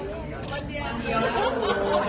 ขอบคุณภาพให้กับคุณผู้ฝ่าย